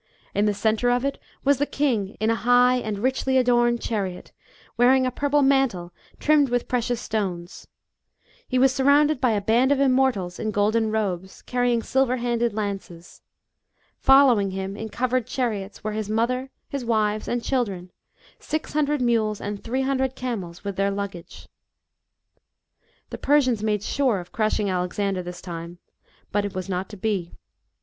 In the centre of it was the king in a high and richly adorned chariot, wealing a purple mantle trimmed with precious stones. He was surrounded by a band of Immortals, in golden robes, carrying silver handled lances. Following him, in covered chariots, were his mother, his wives and children, six hundred mules and three hundred camels with their luggage. The Persians made sure of crushing Alexander this time. But it was not to be.